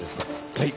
はい。